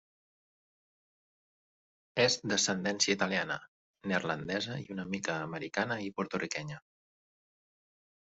És d'ascendència italiana, neerlandesa i una mica americana i porto-riquenya.